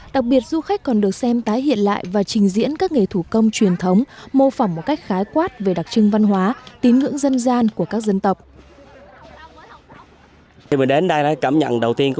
đặc biệt du khách còn được xem tái hiện lại và trình diễn các nghề thủ công truyền thống mô phỏng một cách khái quát về đặc trưng văn hóa tín ngưỡng dân gian của các dân tộc